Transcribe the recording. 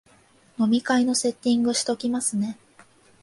飲み会のセッティングしときますね